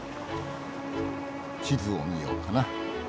地図を見ようかな。